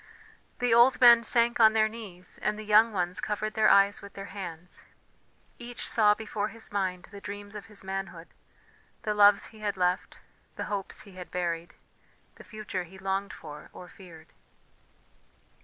The old men sank on their knees and the young ones covered their eyes with their hands; each saw before his mind the dreams of his manhood, the loves he had left, the hopes he had buried, the future he longed for or feared.